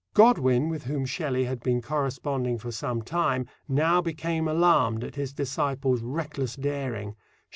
Godwin, with whom Shelley had been corresponding for some time, now became alarmed at his disciple's reckless daring.